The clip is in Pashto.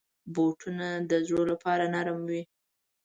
بوټونه د زړو لپاره نرم وي.